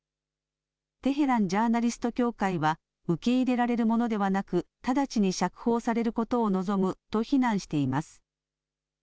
テヘラン・ジャーナリスト協会は、受け入れられるものではなく、直ちに釈放されることを望むと非難しています。